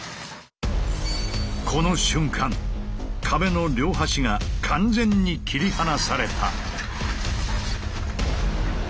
この瞬間壁の両端が完全に切り離された。